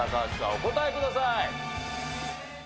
お答えください。